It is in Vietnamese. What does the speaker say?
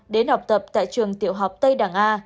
đến học tập tại trường tiểu học tây đằng a